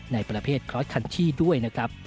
ในประเภทคลอสคันที่ด้วยนะครับ